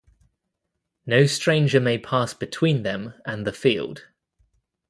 No stranger may pass between them and the field.